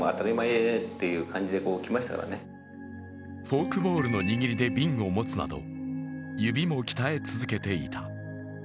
フォークボールの握りで瓶を持つなど指も鍛え続けていた。